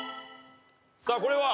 さあこれは？